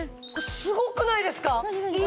すごくないですか？